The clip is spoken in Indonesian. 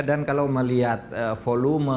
dan kalau melihat volume